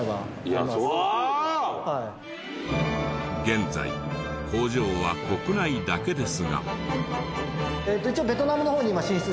現在工場は国内だけですが。